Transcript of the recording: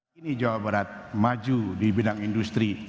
kini jawa barat maju di bidang industri